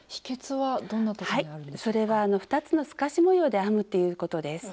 はいそれは２つの透かし模様で編むということです。